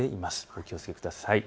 お気をつけください。